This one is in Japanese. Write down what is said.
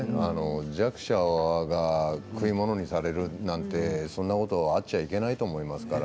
弱者が食い物にされるなんてそんなことはあっちゃいけないと思いますから。